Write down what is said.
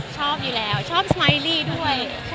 ชอบอยู่แล้วชอบสไมลี่ด้วย